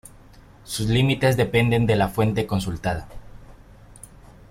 Sus límites dependen de la fuente consultada.